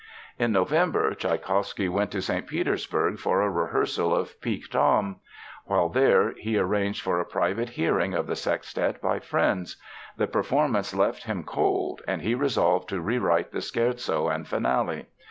In November Tschaikowsky went to St. Petersburg for a rehearsal of Pique Dame. While there he arranged for a private hearing of the sextet by friends. The performance left him cold and he resolved to rewrite the Scherzo and Finale.